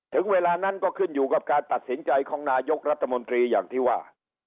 ถึงเวลานั้นก็ขึ้นอยู่กับการตัดสินใจของนายกรัฐมนตรีอย่างที่ว่า